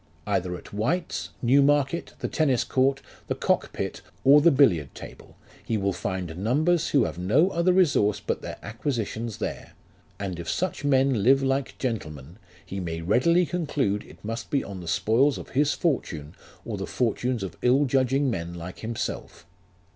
Either at White's, Newmarket, the Tennis Court, the Cock Pit, or the Billiard Table, he will find numbers who have no other resource but their acquisitions there ; and if such men live like gentlemen, he may readily conclude it must be on the spoils of his fortune, or the fortunes of ill judging men like himself.